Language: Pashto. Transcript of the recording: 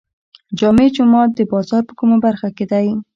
جامع جومات د بازار په کومه برخه کې دی؟